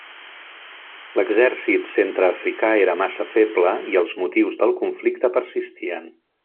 L'exèrcit centreafricà era massa feble i els motius del conflicte persistien.